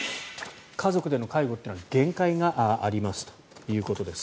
家族での介護というのは限界がありますということです。